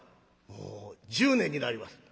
「もう１０年になります」。